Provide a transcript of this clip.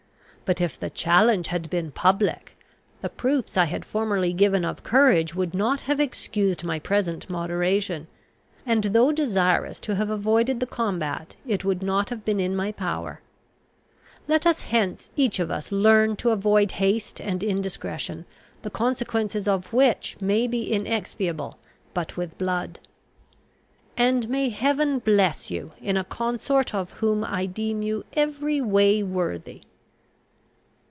But if the challenge had been public, the proofs I had formerly given of courage would not have excused my present moderation; and, though desirous to have avoided the combat, it would not have been in my power. Let us hence each of us learn to avoid haste and indiscretion, the consequences of which may be inexpiable but with blood; and may Heaven bless you in a consort of whom I deem you every way worthy!"